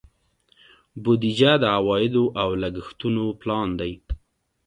بودیجه د عوایدو او لګښتونو پلان دی.